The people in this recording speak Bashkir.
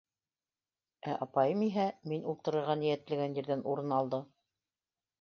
Ә апайым иһә мин ултырырға ниәтләгән ерҙән урын алды.